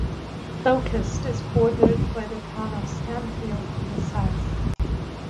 Locust is bordered by the town of Stanfield to the south.